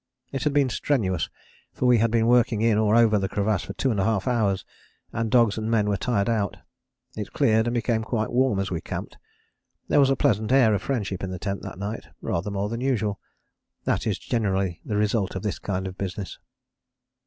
It had been strenuous, for we had been working in or over the crevasse for 2½ hours, and dogs and men were tired out. It cleared and became quite warm as we camped. There was a pleasant air of friendship in the tent that night, rather more than usual. That is generally the result of this kind of business.